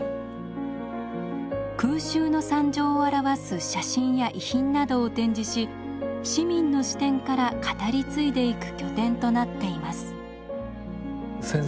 空襲の惨状を表す写真や遺品などを展示し市民の視点から語り継いでいく拠点となっています。